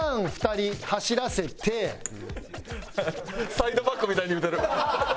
サイドバックみたいに言うてる。